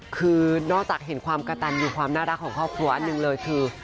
คือนอกจากเห็นความกระตันอยู่ความน่ารักของครอบครัวอันหนึ่งเลยคือ